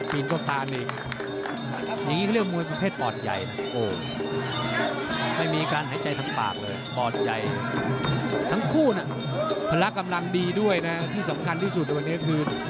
พันธ์รักกำลังดีด้วยนะที่สำคัญที่สุดในวันนี้คือ